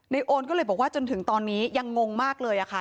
โอนก็เลยบอกว่าจนถึงตอนนี้ยังงงมากเลยค่ะ